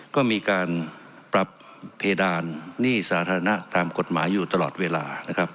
ก็มีการปรับเพดานหนี้สาธารณะตามกฎหมายอยู่ตลอดเวลานะครับ